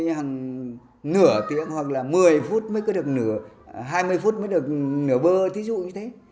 nhà hàng nửa tiếng hoặc là một mươi phút mới cứ được nửa hai mươi phút mới được nửa bơ thí dụ như thế